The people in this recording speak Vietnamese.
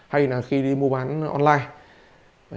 hay khi đi mua bán online